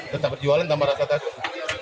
tetap berjualan tambah rasa takut